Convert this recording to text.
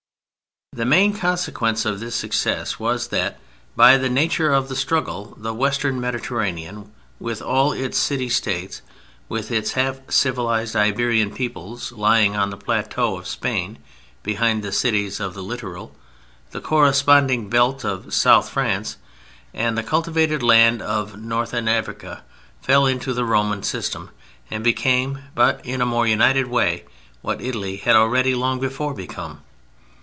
The main consequence of this success was that, by the nature of the struggle, the Western Mediterranean, with all its City States, with its half civilized Iberian peoples, lying on the plateau of Spain behind the cities of the littoral, the corresponding belt of Southern France, and the cultivated land of Northern Africa, fell into the Roman system, and became, but in a more united way, what Italy had already long before become.